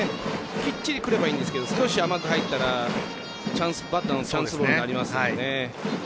きっちり来ればいいんですけど少し甘く入ったらチャンスボールになりますよね。